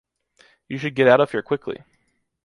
You should get out of here quickly.